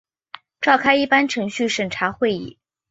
召开一般程序审查会议